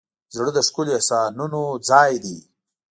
زړه د ښکلي احساسونو ځای دی.